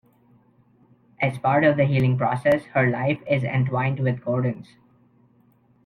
As part of the healing process, her life is entwined with Gordon's.